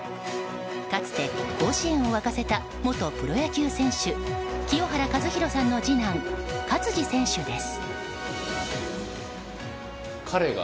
かつて甲子園を沸かせた元プロ野球選手清原和博さんの次男勝児選手です。